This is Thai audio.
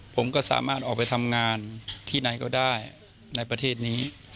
ผมก็สามารถออกไปทำงานที่ไหนก็ได้ในประเทศนี้